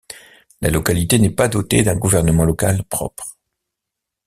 La localité n'est pas dotée d'un gouvernement local propre.